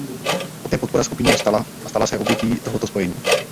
Poté podpora skupiny ustala a stala se objetí tohoto spojení.